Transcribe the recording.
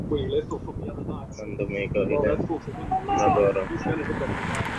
আনন্দময়ী কহিলেন, আমার বড়ো ইচ্ছা করে পরেশবাবুর মেয়েদের সঙ্গে আমার চেনা-পরিচয় হয়।